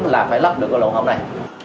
là phải lắp được cái lỗ họng này